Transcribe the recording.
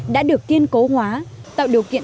đã được tiên cố hóa tạo điều kiện